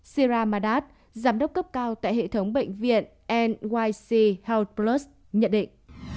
sira madad giám đốc cấp cao tại hệ thống bệnh viện nyc health plus nhận định